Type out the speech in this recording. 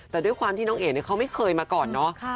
แต่ด้วยความที่น้องเอ๋มิราณนี่แหละค่ะเขาไม่เคยมาก่อนเนอะ